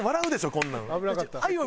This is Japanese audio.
こんなん。